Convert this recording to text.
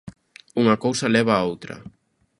Unha cousa leva á outra.